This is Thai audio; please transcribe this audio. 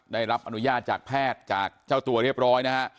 ได้รับอนุญาตจากแพทย์จากเจ้าตัวเรียบร้อยนะฮะ